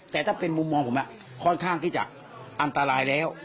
แต่ถ้าเป็นมุมมองผมค่อนข้างที่จะอันตรายแล้ว